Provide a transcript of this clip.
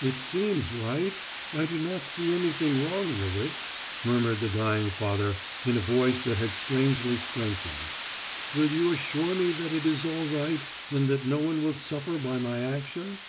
"It seems right. I do not see anything wrong in it," murmured the dying father in a voice that had strangely strengthened. "Will you assure me that it is all right, and that no one will suffer by my action?"